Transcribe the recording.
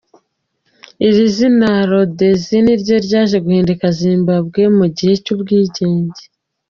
Iri zina Rodhesie ni ryo ryaje guhinduka Zimbabwe mu gihe cy’ubwigenge.